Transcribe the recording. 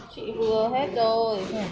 chị vừa hết rồi